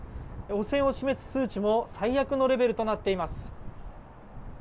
汚染を示す数値も最悪のレベルとなっています。